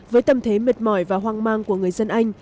với tầm thế mệt mỏi và hoang mang của người dân anh